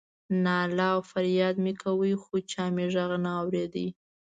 ناله او فریاد مې کاوه خو چا مې غږ نه اورېده.